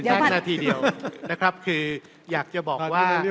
นาทีเดียวนะครับคืออยากจะบอกว่า